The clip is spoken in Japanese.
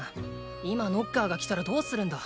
今ノッカーが来たらどうするんだ。